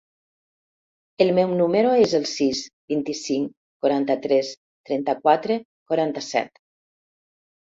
El meu número es el sis, vint-i-cinc, quaranta-tres, trenta-quatre, quaranta-set.